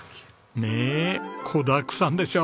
ねえ子だくさんでしょ？